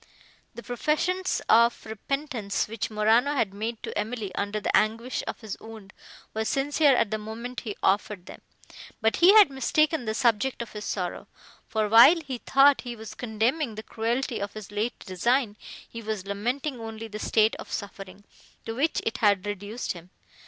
The professions of repentance, which Morano had made to Emily, under the anguish of his wound, was sincere at the moment he offered them; but he had mistaken the subject of his sorrow, for, while he thought he was condemning the cruelty of his late design, he was lamenting only the state of suffering, to which it had reduced him.